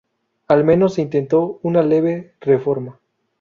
Al menos se intentó una leve reforma.